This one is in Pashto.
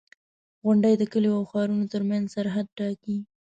• غونډۍ د کليو او ښارونو ترمنځ سرحد ټاکي.